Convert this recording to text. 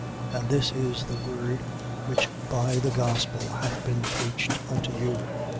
And this is the word which by the gospel hath been preached unto you.